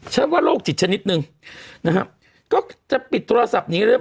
ใช้ว่าโรคจิตชนิดนึงนะฮะก็จะปิดโทรศัพท์นี้เรื่อ